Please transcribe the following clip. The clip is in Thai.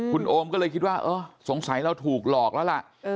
คุณโอมก็เลยคิดว่าเออสงสัยเราถูกหลอกแล้วล่ะ